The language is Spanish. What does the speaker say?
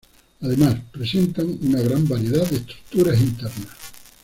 Además, presentan una gran variedad de estructuras internas.